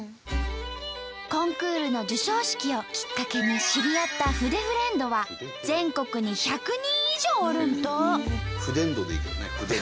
コンクールの授賞式をきっかけに知り合った「筆フレンド」は全国に１００人以上おるんと！